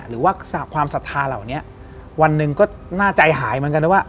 หรือว่าความศรัทธาเหล่านี้วันหนึ่งก็น่าใจหายเหมือนกันนะว่า